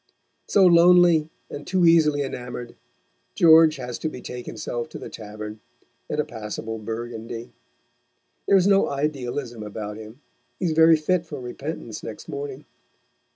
So lonely, and too easily enamoured, George has to betake himself to the tavern, and a passable Burgundy. There is no idealism about him. He is very fit for repentance next morning.